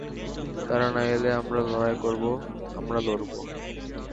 তারা না এলে আমরা লড়াই করব আমরা লড়ব!